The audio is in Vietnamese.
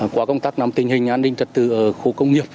qua công tác nắm tình hình an ninh trật tự ở khu công nghiệp